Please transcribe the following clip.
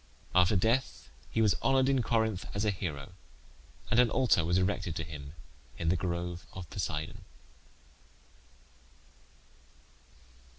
After death he was honoured in Corinth as a hero, and an altar was erected to him in the grove of Poseidon.